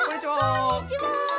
こんにちは。